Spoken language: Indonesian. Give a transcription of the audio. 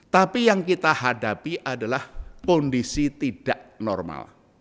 tapi yang kita hadapi adalah kondisi tidak normal